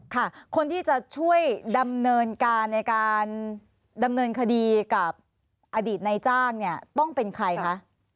ค่ะคนที่จะช่วยดำเนินการในการดำเนินคดีกับอดีตในจ้างเนี่ยต้องเป็นใครคะ